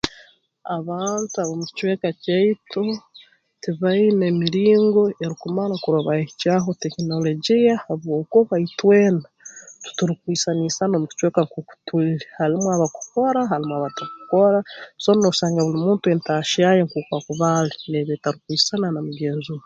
Abantu ab'omu kicweka kyaitu tibaine miringo erukumara kurora bayehikyaho tekinologiya habwokuba itwena titurukwisanaisana omu kicweka nk'oku tuli halumu abakukora halumu abatakukora so noosanga buli muntu entaahya ye nk'oku akuba ali n'eba etarukwisana n'amugenzi we